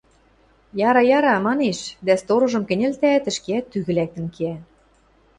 – Яра, яра, – манеш дӓ сторожым кӹньӹлтӓӓт, ӹшкеӓт тӱгӹ лӓктӹн кеӓ.